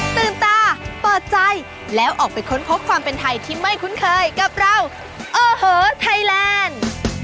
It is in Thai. ตื่นตาเปิดใจแล้วออกไปค้นพบความเป็นไทยที่ไม่คุ้นเคยกับเราโอ้โหไทยแลนด์